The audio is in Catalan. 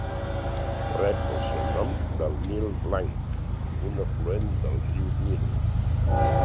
Rep el seu nom del Nil Blanc, un afluent del riu Nil.